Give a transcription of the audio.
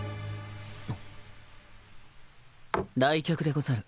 来客でござる。